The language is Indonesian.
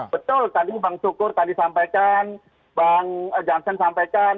betul tadi bang sukur tadi sampaikan bang jansen sampaikan